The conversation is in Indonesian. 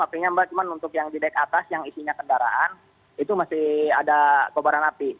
apakah yang di daerah atas yang isinya kendaraan itu masih ada kebakaran api